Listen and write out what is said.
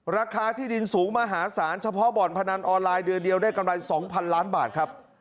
ราคาที่ดินสูงมหาศาลเฉพาะบ่อนพนันออนไลน์เดือนเดียวได้กำไร๒๐๐๐ล้านบาทครับ